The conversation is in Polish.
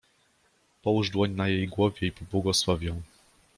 Połóż dłoń na jej głowie i pobłogosław ją.